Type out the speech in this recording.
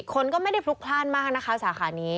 คนก็ไม่ได้พลุกพลาดมากนะคะสาขานี้